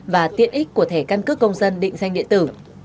và tiện ích của thẻ căn cước công dân định danh điện tử